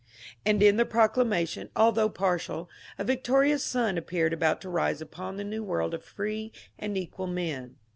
And in the proclamation, although partial, a victorious sun appeared about to rise upon the New World of free and equal men.